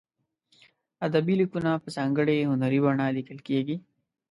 ادبي لیکونه په ځانګړې هنري بڼه لیکل کیږي.